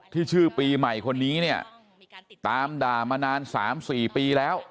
ชื่อปีใหม่คนนี้เนี่ยตามด่ามานาน๓๔ปีแล้ว